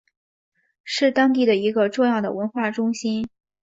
是当地的一个重要的文化中心。